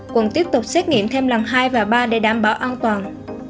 quận tiếp tục xét nghiệm thêm lần hai và ba để đảm bảo an toàn